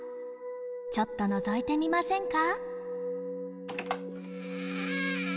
ちょっとのぞいてみませんか。